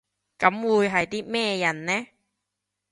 噉會係啲咩人呢？